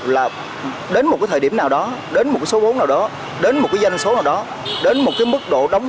là đến một thời điểm nào đó đến một số vốn nào đó đến một danh số nào đó đến một mức độ đóng